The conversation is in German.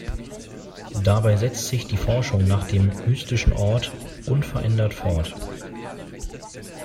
Dabei setzt sich die Forschung nach dem mystischen Ort unverändert fort.